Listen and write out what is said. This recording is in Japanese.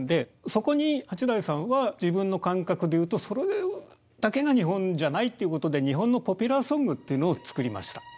そこに八大さんは自分の感覚でいうとそれだけが日本じゃないっていうことで日本のポピュラーソングっていうのを作りました。